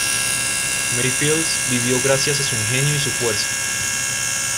Mary Fields vivió gracias a su ingenio y su fuerza.